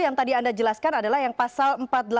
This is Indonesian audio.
yang tadi anda jelaskan adalah yang pasal